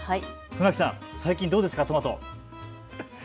船木さん、最近どうですか、トマト。